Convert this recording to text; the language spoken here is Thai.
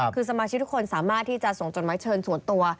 คือสมาชิกทุกคนสามารถที่จะส่งจดหมายเชิญส่วนตัว